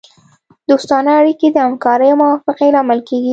دوستانه اړیکې د همکارۍ او موافقې لامل کیږي